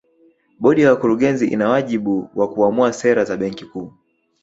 Bodi ya Wakurugenzi ina wajibu wa kuamua sera za Benki Kuu